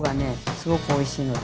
すごくおいしいので。